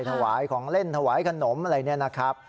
ถวายของเล่นถวายขนมอะไรเนี่ยนะครับ